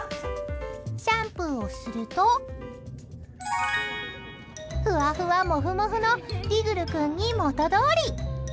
シャンプーをするとふわふわ、もふもふのリグル君に元どおり。